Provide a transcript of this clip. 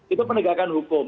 itu penegakan hukum